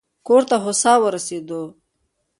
کور ته هوسا ورسېدو.